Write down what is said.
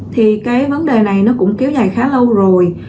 thì cái vấn đề này nó cũng kéo dài khá lâu rồi